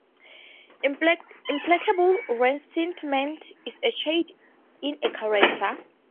Implacable resentment is a shade in a character.